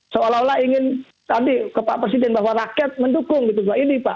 seolah olah ingin tadi ke pak presiden bahwa rakyat mendukung gitu gitu